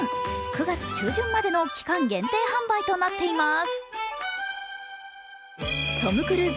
９月中旬までの期間限定販売となっています。